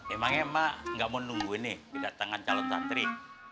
emangnya emak ga mau nungguin nih didatengan calon santri